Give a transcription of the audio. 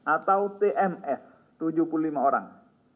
atau tms tujuh puluh lima orang